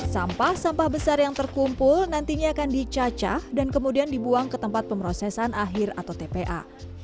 sampah sampah besar yang terkumpul nantinya akan dicacah dan kemudian dibuang ke tempat pemrosesan akhir atau tpa